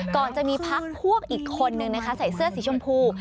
ก่อนจะมีพักพวกอีกคนนึงนะคะใส่เสื้อสีชมพู